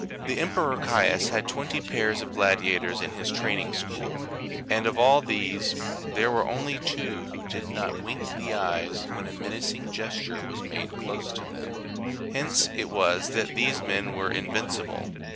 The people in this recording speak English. The Emperor Caius had twenty pairs of gladiators in his training school, and of all these there were only two who did not wink the eyes when a menacing gesture was made close to them : hence it was that these men were invincible.